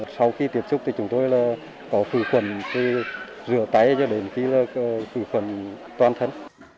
sau khi tiếp xúc thì chúng tôi có khử khuẩn thì rửa tay cho đến khử khuẩn toàn thân